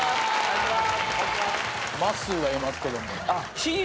まっすーがいますけども。